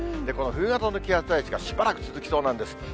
この冬型の気圧配置がしばらく続きそうなんです。